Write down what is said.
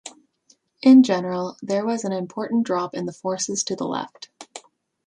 In general, there was an important drop in the forces to the left.